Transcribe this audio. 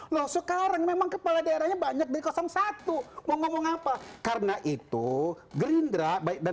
loh sekarang memang kepala daerahnya banyak dari satu mau ngomong apa karena itu gerindra baik dan